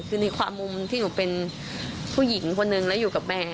คือในความมุมที่หนูเป็นผู้หญิงคนนึงแล้วอยู่กับแม่